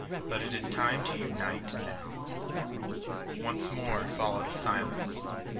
But it is time to unite now." Once more followed a silence.